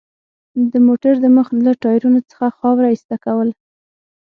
د موټر د مخ له ټایرونو څخه خاوره ایسته کول.